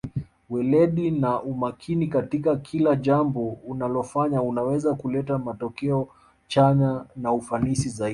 weledi na umakini katika kila jambo unalofanya unaweza kuleta matokeo chanya na ufanisi zaidi